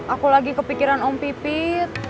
aku lagi kepikiran om pipit